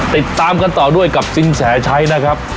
ติดตามกันต่อด้วยกับซึงแสนใช้นะครับ